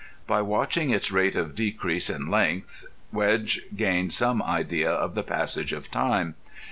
By watching its rate of decrease in length Wedge gained some idea of the passage of time.